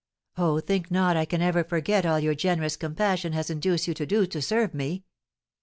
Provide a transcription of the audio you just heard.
"Oh, think not I can ever forget all your generous compassion has induced you to do to serve me!"